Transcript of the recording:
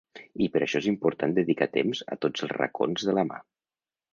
I per això és important dedicar temps a tots els racons de la mà.